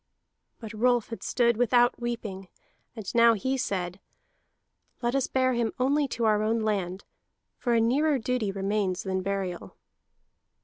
But Rolf had stood without weeping, and now he said: "Let us bear him only to our own land, for a nearer duty remains than burial."